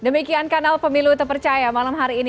demikian kanal pemilu terpercaya malam hari ini